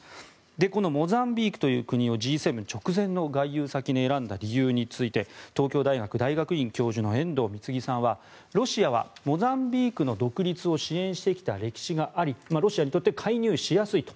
このモザンビークという国をＧ７直前の外遊先に選んだ理由について東京大学大学院教授の遠藤貢さんはロシアはモザンビークの独立を支援してきた歴史がありロシアにとって介入しやすいと。